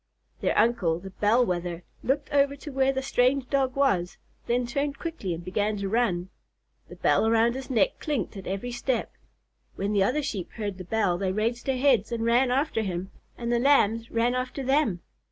Their uncle, the Bell Wether, looked over to where the strange Dog was, then turned quickly and began to run. The bell around his neck clinked at every step. When the other Sheep heard the bell they raised their heads and ran after him, and the Lambs ran after them.